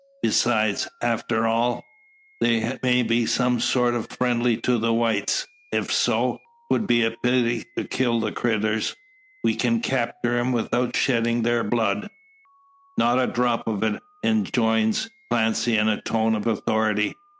Besides, arter all, they may be some sort that's friendly to the whites. Ef so, 'twould be a pity to kill the critters. We kin capter 'em without sheddin' thar blood." "Not a drop of it," enjoins Clancy, in a tone of authority.